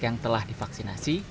yang telah divaksinasi